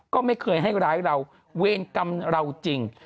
ก็ไม่เคยให้ร้ายเราเวรกรรมเราจริง